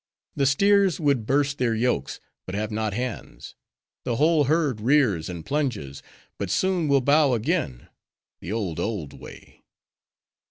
The steers would burst their yokes, but have not hands. The whole herd rears and plunges, but soon will bow again: the old, old way!"